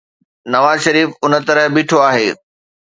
نوازشريف ان طرح بيٺو آهي.